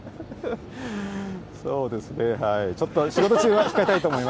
そうですね、はい。